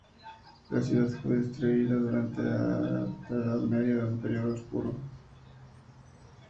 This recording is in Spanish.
La ciudad fue destruida durante la Alta Edad Media, un periodo oscuro.